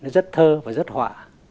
rất thơ và rất họa